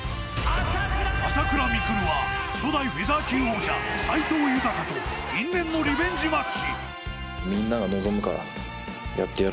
朝倉未来は初代フェザー級王者・斎藤裕と因縁のリベンジマッチ。